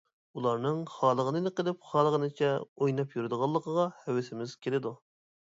ئۇلارنىڭ خالىغىنىنى قىلىپ، خالىغىنىچە ئويناپ يۈرىدىغانلىقىغا ھەۋىسىمىز كېلىدۇ.